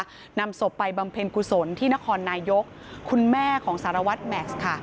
ก็นำศพไปบำเพ็ญกุศลที่นครนายกคุณแม่ของสารวัตรแม็กซ์ค่ะ